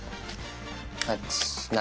８７。